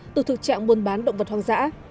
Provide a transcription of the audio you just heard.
từ thực trạng buôn bán động vật hoang dã